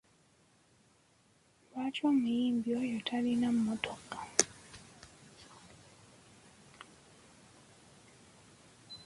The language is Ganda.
Lwaki omuyimbi oyo talina mmotoka?